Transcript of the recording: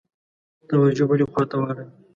توجه بلي خواته واړوي.